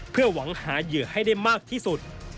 เพื่อหวังหาเหยื่อให้ได้มากที่สุด